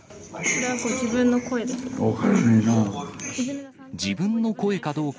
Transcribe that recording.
これはご自分の声ですか？